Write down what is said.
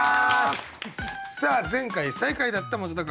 さあ前回最下位だった本君。